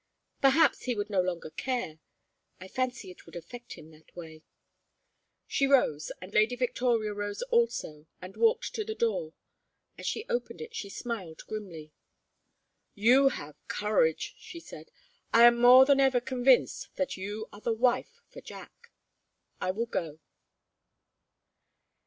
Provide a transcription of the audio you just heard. Perhaps he would no longer care. I fancy it would affect him that way." She rose, and Lady Victoria rose also and walked to the door. As she opened it she smiled grimly. "You have courage," she said. "I am more than ever convinced that you are the wife for Jack. I will go."